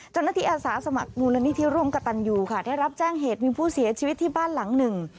อาสาสมัครมูลนิธิร่วมกับตันยูค่ะได้รับแจ้งเหตุมีผู้เสียชีวิตที่บ้านหลังหนึ่ง